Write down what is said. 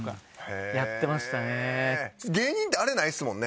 芸人ってあれないですもんね。